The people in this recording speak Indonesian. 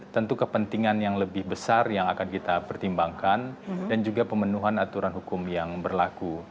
tentu kepentingan yang lebih besar yang akan kita pertimbangkan dan juga pemenuhan aturan hukum yang berlaku